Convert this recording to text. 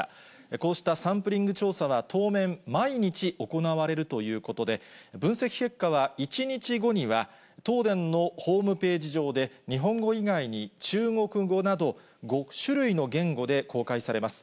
こうしたサンプリング調査は、当面、毎日行われるということで、分析結果は、１日後には東電のホームページ上で、日本語以外に中国語など５種類の言語で公開されます。